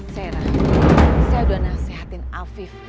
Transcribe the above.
sarah saya udah nasihatin afif